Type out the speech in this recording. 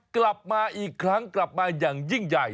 กลับมาอีกครั้งกลับมาอย่างยิ่งใหญ่